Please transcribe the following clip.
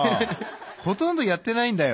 ほとんどやってないんだよ。